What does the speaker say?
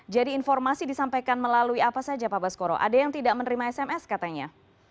jadi informasi disampaikan melalui apa saja pak bas koro ada yang tidak menerima sms katanya